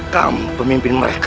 kamu pemimpin mereka